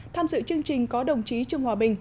tham dự chương trình có đồng chí trương hòa bình